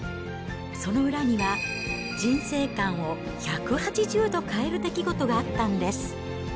その裏には、人生観を１８０度変える出来事があったんです。